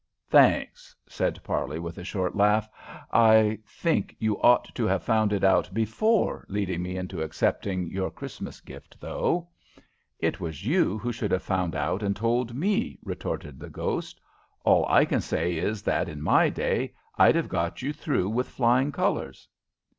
"Thanks," said Parley, with a short laugh. "I think you ought to have found it out before leading me into accepting your Christmas gift, though." "It was you who should have found out and told me," retorted the ghost. "All I can say is that in my day I'd have got you through with flying colors."